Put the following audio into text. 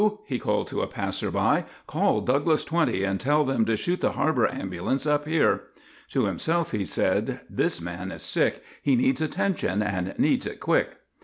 he called, to a passer by, "call Douglas 20 and tell them to shoot the harbour ambulance up here." To himself he said: "This man is sick. He needs attention and needs it quick."